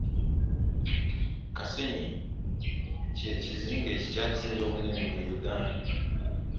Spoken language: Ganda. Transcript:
Kasenyi ky'ekizinga ekikyasinze obunene mu Uganda.